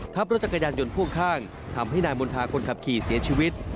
รถจักรยานยนต์พ่วงข้างทำให้นายมณฑาคนขับขี่เสียชีวิต